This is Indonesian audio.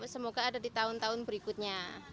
semoga ada di tahun tahun berikutnya